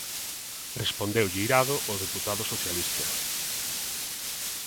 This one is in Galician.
Respondeulle irado o deputado socialista...